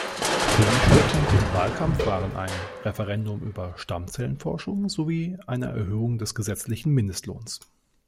Themenschwerpunkte im Wahlkampf waren ein Referendum über Stammzellenforschung sowie eine Erhöhung des gesetzlichen Mindestlohns.